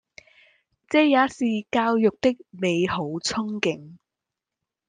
這也正是教育的美好憧憬